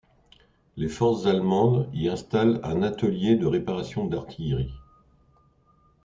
Les forces allemandes y installent un atelier de réparation d'artillerie.